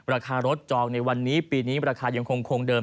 ราคารถจองในวันนี้ปีนี้ราคายังคงเดิม